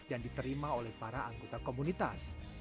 dan diterima oleh para anggota komunitas